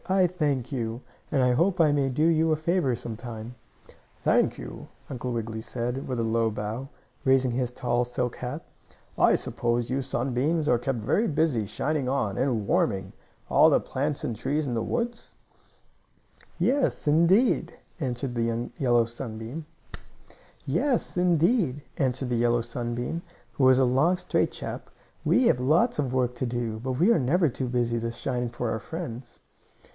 I thank you, and I hope I may do you a favor some time." "Thank you," Uncle Wiggily said, with a low bow, raising his tall silk hat. "I suppose you sunbeams are kept very busy shining on, and warming, all the plants and trees in the woods?" "Yes, indeed!" answered the yellow sunbeam, who was a long, straight chap. "We have lots of work to do, but we are never too busy to shine for our friends."